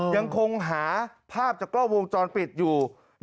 ยังคงหาภาพจากกล้องวงจรปิดอยู่